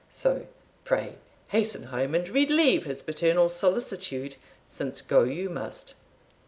So, pray hasten home, and relieve his paternal solicitude, since go you must.